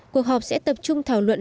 cuộc họp sẽ tập trung thảo luận